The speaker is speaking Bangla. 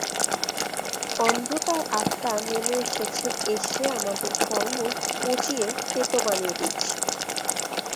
অন্ধকার আত্মা নেমে এসেছে, এসে আমাদের ফলমূল পঁচিয়ে তেতো বানিয়ে দিচ্ছে।